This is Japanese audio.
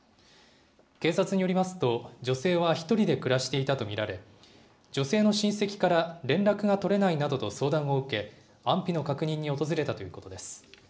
警察によりますと、女性は１人で暮らしていたと見られ、女性の親戚から、連絡が取れないなどと相談を受け、安否の確認に訪れたということです。